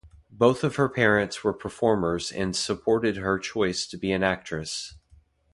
Both of her parents were performers and supported her choice to be an actress.